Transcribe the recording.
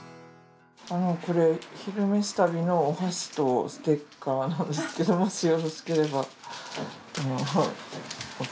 あのこれ「昼めし旅」のお箸とステッカーなんですけどもしよろしければお使い。